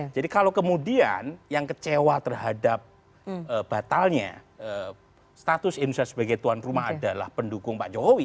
jadi kalau kemudian yang kecewa terhadap batalnya status indonesia sebagai tuan rumah adalah pendukung pak jokowi